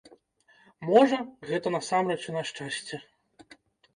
Можа, гэта насамрэч і на шчасце.